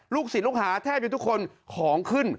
ศิลปลูกหาแทบอยู่ทุกคนของขึ้น